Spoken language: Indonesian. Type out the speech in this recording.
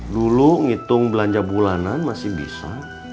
dulu ngitung belanja bulanan masih bisa